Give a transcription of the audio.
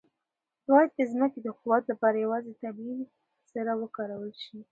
باید د ځمکې د قوت لپاره یوازې طبیعي سره وکارول شي.